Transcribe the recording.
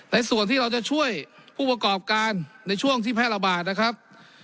ในส่วนที่เราจะช่วยผู้ประกอบการในช่วงที่แพร่ระบาดนะครับ